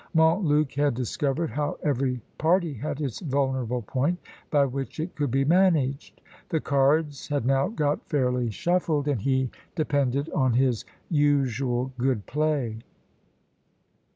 Montluc had discovered how every party had its vulnerable point, by which it could be managed. The cards had now got fairly shuffled, and he depended on his usual good play.